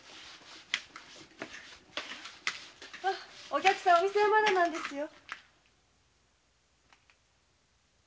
お客さんお店はまだなんですよ。